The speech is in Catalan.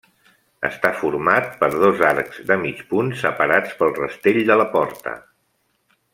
Està format per dos arcs de mig punt separats pel rastell de la porta.